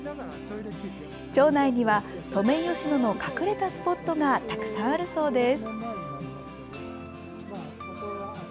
町内にはソメイヨシノの隠れたスポットがたくさんあるそうです。